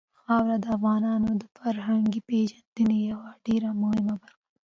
خاوره د افغانانو د فرهنګي پیژندنې یوه ډېره مهمه برخه ده.